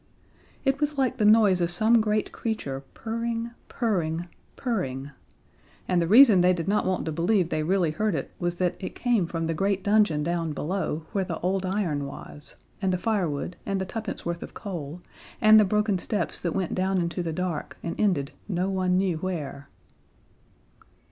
It was like the noise of some great creature purring, purring, purring and the reason they did not want to believe they really heard it was that it came from the great dungeon down below, where the old iron was, and the firewood and the twopence worth of coal, and the broken steps that went down into the dark and ended no one knew where.